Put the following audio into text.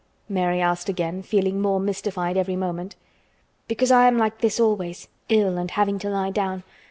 Mary asked again, feeling more mystified every moment. "Because I am like this always, ill and having to lie down.